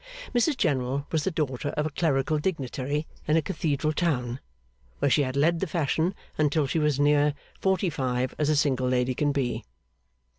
Mrs General was the daughter of a clerical dignitary in a cathedral town, where she had led the fashion until she was as near forty five as a single lady can be.